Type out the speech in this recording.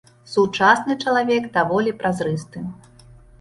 Сучасны чалавек даволі празрысты.